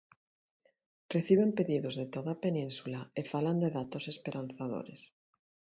Reciben pedidos de toda a Península e falan de datos esperanzadores.